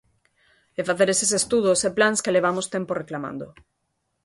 E facer eses estudos e plans que levamos tempo reclamando.